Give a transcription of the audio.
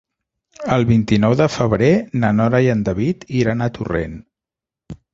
El vint-i-nou de febrer na Nora i en David iran a Torrent.